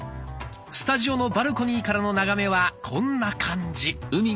スタジオのバルコニーからの眺めはこんな感じ。